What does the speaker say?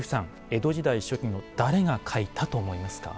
江戸時代初期の誰が描いたと思いますか？